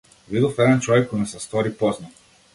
Видов еден човек кој ми се стори познат.